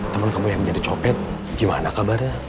temen kamu yang menjadi copet gimana kabarnya